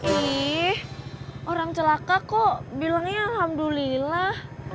ih orang celaka kok bilangnya alhamdulillah